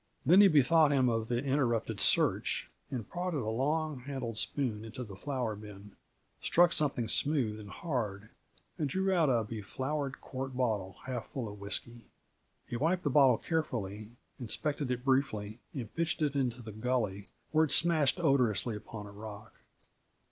Then he bethought him of his interrupted search, and prodded a long handled spoon into the flour bin, struck something smooth and hard, and drew out a befloured, quart bottle half full of whisky. He wiped the bottle carefully, inspected it briefly, and pitched it into the gully, where it smashed odorously upon a rock.